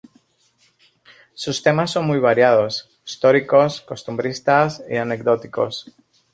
Sus temas son muy variados: históricos, costumbristas y anecdóticos.